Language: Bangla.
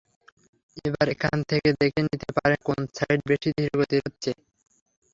এবার এখান থেকে দেখে নিতে পারেন কোন সাইট বেশি ধীরগতির হচ্ছে।